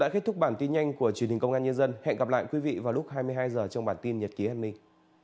đã kết thúc bản tin nhanh của truyền hình công an nhân dân hẹn gặp lại quý vị vào lúc hai mươi hai h trong bản tin nhật ký an ninh